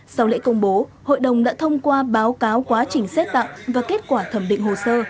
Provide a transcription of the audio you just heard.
sau lễ công bố hội đồng đã thông qua báo cáo quá trình xét tặng và kết quả thẩm định hồ sơ